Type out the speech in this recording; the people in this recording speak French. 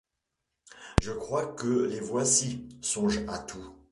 Je crois que les voici. — Songe à tout.